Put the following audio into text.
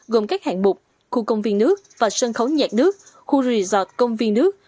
gồm các hạng bục khu công viên nước và sân khấu nhạc nước khu resort công viên nước